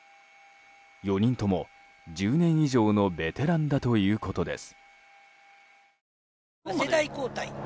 ４人とも１０年以上のベテランだということです。